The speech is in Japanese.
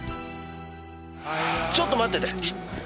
ちょっと待ってて。